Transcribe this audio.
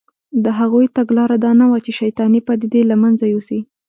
د هغوی تګلاره دا نه وه چې شیطانې پدیدې له منځه یوسي